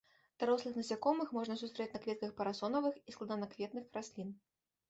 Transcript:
Дарослых насякомых можна сустрэць на кветках парасонавых і складанакветных раслін.